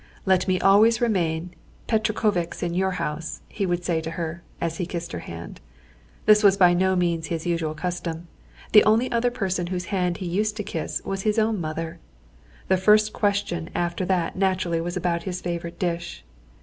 "Let me always remain Petrekovics in your house!" he would say to her, as he kissed her hand. This was by no means his usual custom, the only other person whose hand he used to kiss was his own mother. The first question after that naturally was about his favourite dish.